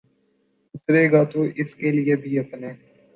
اترے گا تو اس کے لیے بھی اپنے